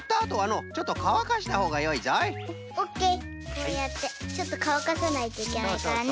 こうやってちょっとかわかさないといけないからね。